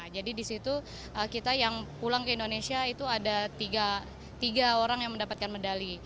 jadi di situ kita yang pulang ke indonesia itu ada tiga orang yang mendapatkan medali